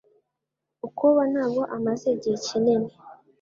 Bukoba ntabwo amaze igihe kinini .